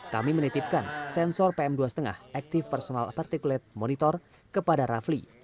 kami menitipkan sensor pm dua lima active personal particulate monitor kepada rafli